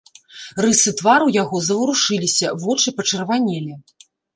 Рысы твару яго заварушыліся, вочы пачырванелі.